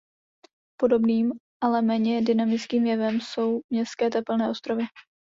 Podobným ale méně dynamickým jevem jsou městské tepelné ostrovy.